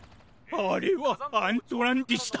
あれはアントランティスだ。